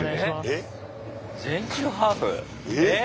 えっ！